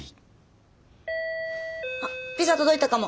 あっピザ届いたかも。